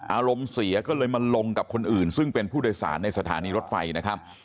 อารมณ์เสียก็เลยมาลงกับคนอื่นซึ่งเป็นผู้โดยสารในสถานีรถไฟนะครับ